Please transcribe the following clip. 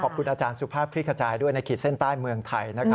ขอบคุณอาจารย์สุภาพคลิกขจายด้วยในขีดเส้นใต้เมืองไทย